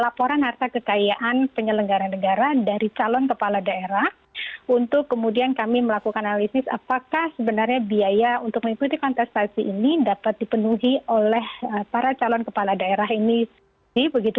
laporan harta kekayaan penyelenggara negara dari calon kepala daerah untuk kemudian kami melakukan analisis apakah sebenarnya biaya untuk mengikuti kontestasi ini dapat dipenuhi oleh para calon kepala daerah ini begitu